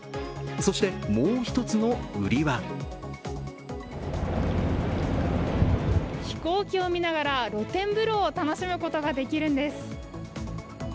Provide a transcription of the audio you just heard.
そして、もうひとつの売りは飛行機を見ながら露天風呂を楽しむことができるんです。